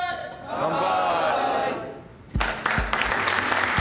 乾杯。